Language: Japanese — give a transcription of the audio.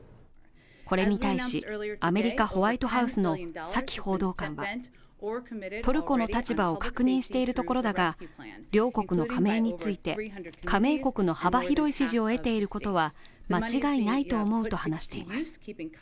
これに対し、アメリカ・ホワイトハウスのサキ報道官は、トルコの立場を確認しているところだが、両国の加盟について、加盟国の幅広い支持を得ていることは間違いないと思うと話しています。